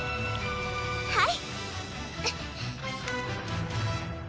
はい！